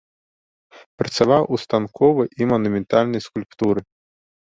Працаваў у станковай і манументальнай скульптуры.